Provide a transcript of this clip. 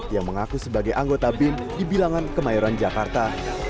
yang mengaku sebagai anggota bin di bilangan kemayoran jakarta